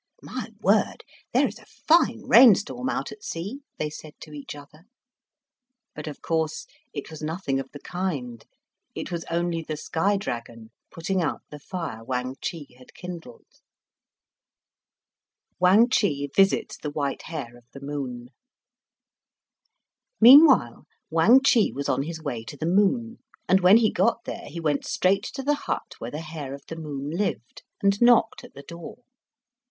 "My word! There is a fine rain storm out at sea!" they said to each other. But, of course, it was nothing of the kind; it was only the sky dragon putting out the fire Wang Chih had kindled. Meanwhile, Wang Chih was on his way to the moon, and when he got there he went straight to the hut where the Hare of the Moon lived, and knocked at the door.